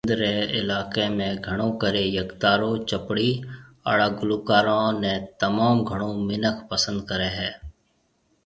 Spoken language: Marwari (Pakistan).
سنڌ ري علاقي ۾ گھڻو ڪري يڪتارو چپڙي آڙا گلوڪارون تموم گھڻو منک پسند ڪري هي